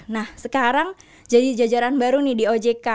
nah sekarang jadi jajaran baru nih di ojk